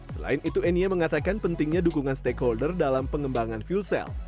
selain itu enia mengatakan pentingnya dukungan stakeholder dalam pengembangan fuel cell